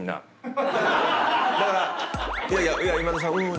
だからいやいや今田さん「うんうん」